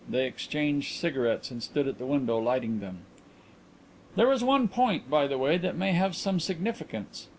They exchanged cigarettes and stood at the window lighting them. "There is one point, by the way, that may have some significance."